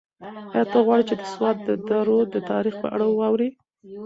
ایا ته غواړې چې د سوات د درو د تاریخ په اړه واورې؟